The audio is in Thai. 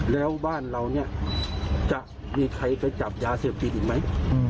แล้วบ้านเราเนี่ยจะมีใครไปจับยาเสพติดอีกไหม